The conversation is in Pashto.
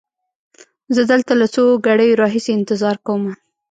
زه دلته له څو ګړیو را هیسې انتظار کومه.